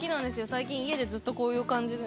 最近家でずっとこういう感じで。